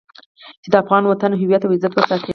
چې د افغان وطن هويت او عزت وساتي.